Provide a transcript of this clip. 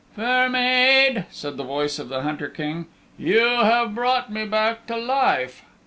"Fair Maid," said the voice of the Hunter King, "you have brought me back to life.